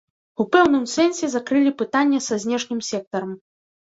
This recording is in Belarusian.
У пэўным сэнсе закрылі пытанне са знешнім сектарам.